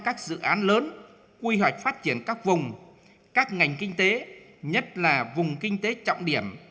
các dự án lớn quy hoạch phát triển các vùng các ngành kinh tế nhất là vùng kinh tế trọng điểm